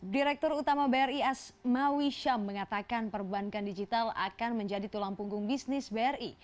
direktur utama bri asmawi syam mengatakan perbankan digital akan menjadi tulang punggung bisnis bri